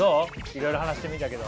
いろいろ話してみたけど。